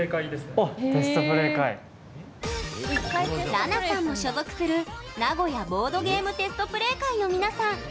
らなさんも所属する名古屋ボードゲームテストプレイ会の皆さん。